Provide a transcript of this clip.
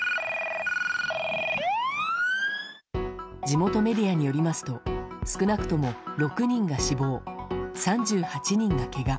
地元メディアによりますと少なくとも６人が死亡３８人がけが。